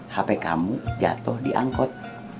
hp kamu jatuh di angkot